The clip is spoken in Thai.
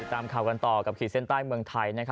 ตามข่าวกันต่อกับขีดเส้นใต้เมืองไทย